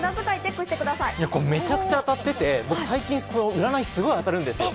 めちゃくちゃ当たってて、僕、占いすごく当たるんです。